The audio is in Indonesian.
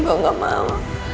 gua enggak mau